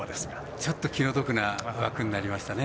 ちょっと気の毒な枠になりましたね。